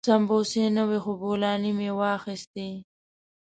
سمبوسې نه وې خو بولاني مو واخيستې.